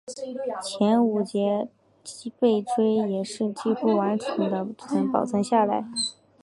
前五节背椎也是几乎完整地保存下来。